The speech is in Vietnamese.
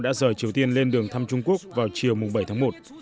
đã rời triều tiên lên đường thăm trung quốc vào chiều bảy tháng một